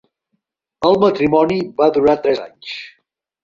El matrimoni va durar tres anys.